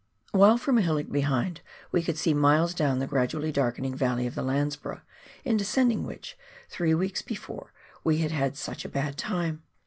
While from a hillock behind, we could see miles down the gradually darkening valley of the Lands borough, in descending which, three weeks before, we had had such a bad time.